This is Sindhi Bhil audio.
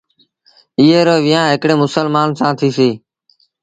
ايئي رو ويهآݩ هڪڙي مسلمآݩ سآݩ ٿيٚسيٚ۔